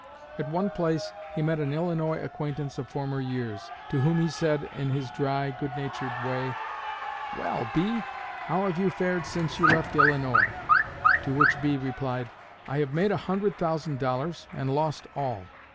At one place he met an Illinois acquaintance of former years, to whom he said, in his dry, good natured way: 'Well, B., how have you fared since you left Illinois?' To which B. replied, 'I have made a hundred thousand dollars, and lost all.